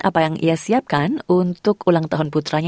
apa yang ia siapkan untuk ulang tahun putranya